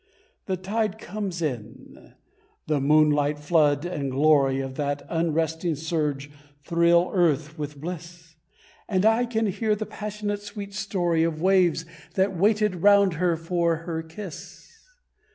The tide comes in. The moonlight flood and glory Of that unresting surge thrill earth with bliss, And I can hear the passionate sweet story Of waves that waited round her for her kiss.